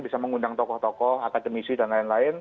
bisa mengundang tokoh tokoh akademisi dll